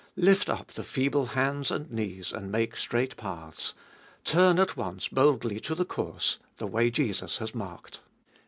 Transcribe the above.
Lift up the feeble hands and knees, and make straight paths ; turn at once boldly to the course, the way Jesus has marked.